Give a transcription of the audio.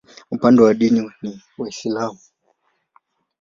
Upande wa dini ni Waislamu.